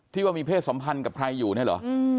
ว่ามีเพศสัมพันธ์กับใครอยู่เนี่ยเหรอ